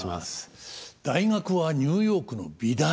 大学はニューヨークの美大！